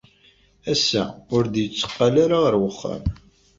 Ass-a, ur d-yetteqqal ara ɣer uxxam.